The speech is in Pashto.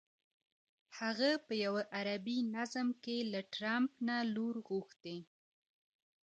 هغه په یوه عربي نظم کې له ټرمپ نه لور غوښتې.